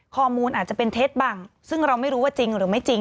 ข้อมูลอาจจะเป็นเท็จบ้างซึ่งเราไม่รู้ว่าจริงหรือไม่จริง